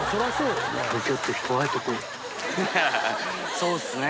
そうですね。